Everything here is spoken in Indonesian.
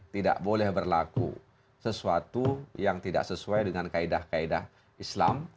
tidak boleh berlaku sesuatu yang tidak sesuai dengan kaedah kaedah islam